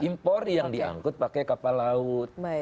impor yang diangkut pakai kapal laut